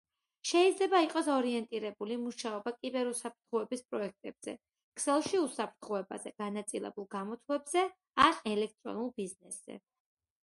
შეიძლება იყოს ორიენტირებული მუშაობა კიბერუსაფრთხოების პროექტებზე ქსელში უსაფრთხოებაზე განაწილებულ გამოთვლებზე ან ელექტრონულ ბიზნესზე.